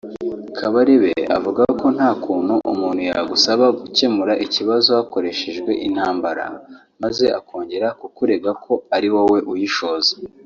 Kabarebe avuga ko nta kuntu umuntu yagusaba gukemura ikibazo hakoreshejwe intambara maze akongera kukurega ko ari wowe uyishoza